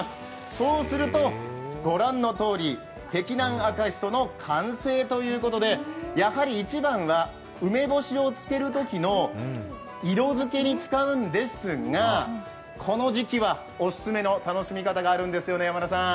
そうすると、ご覧のとおり碧南赤しその完成ということでやはり一番は梅干しを漬けるときの色付けに使うんですが、この時期は、オススメの楽しみ方があるんですよね、山田さん。